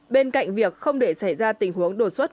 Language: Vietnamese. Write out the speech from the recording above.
bên cạnh việc không để xảy ra tình huống đột xuất